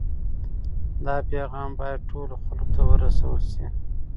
دا پیغام باید ټولو خلکو ته ورسول شي.